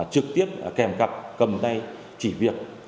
trực tiếp kèm cặp cầm tay chỉ việc